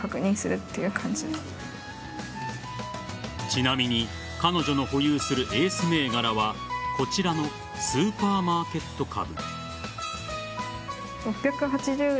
ちなみに彼女の保有するエース銘柄はこちらのスーパーマーケット株。